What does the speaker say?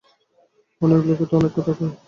অনেক লোকে তো অনেক কথা কয়।